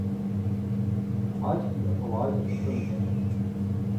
آج کی افواج اصل میں